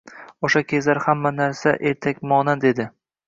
Oʻsha kezlari hamma narsa ertakmonand edi